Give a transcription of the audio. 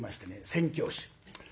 宣教師。